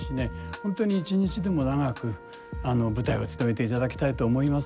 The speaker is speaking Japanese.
本当に一日でも長く舞台をつとめていただきたいと思いますね。